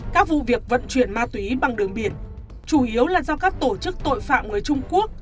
các vụ việc vận chuyển ma túy bằng đường biển chủ yếu là do các tổ chức tội phạm người trung quốc